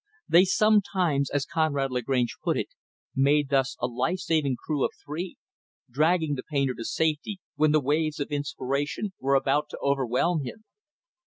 They sometimes as Conrad Lagrange put it made, thus, a life saving crew of three; dragging the painter to safety when the waves of inspiration were about to overwhelm him.